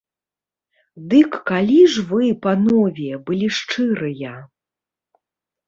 Дык калі ж вы, панове, былі шчырыя?